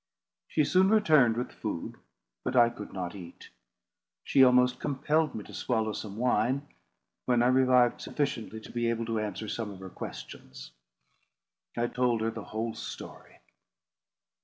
She soon returned with food, but I could not eat. She almost compelled me to swallow some wine, when I revived sufficiently to be able to answer some of her questions. I told her the whole story.